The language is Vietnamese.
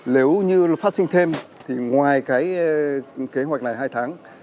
nếu như phát sinh thêm thì ngoài kế hoạch này hai tháng